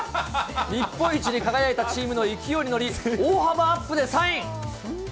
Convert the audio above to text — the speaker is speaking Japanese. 日本一に輝いたチームの勢いに乗り、大幅アップでサイン。